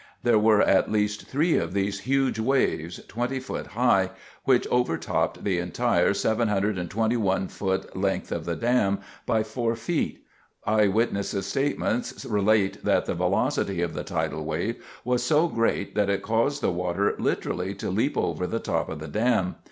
There were at least three of these huge waves—20 ft. high—which overtopped the entire 721 ft. length of the dam by four feet. Eyewitness statements relate that the velocity of the tidal wave was so great that it caused the water literally to leap over the top of the dam.